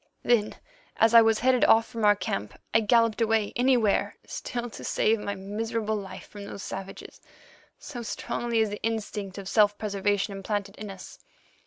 Then, as I was headed off from our camp, I galloped away anywhere, still to save my miserable life from those savages, so strongly is the instinct of self preservation implanted in us.